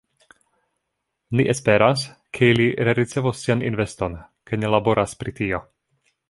Ni esperas, ke ili rericevos sian investon kaj ni laboras pri tio.